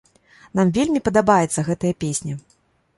Нам вельмі падабаецца гэтая песня.